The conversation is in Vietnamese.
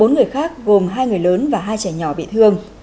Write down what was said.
bốn người khác gồm hai người lớn và hai trẻ nhỏ bị thương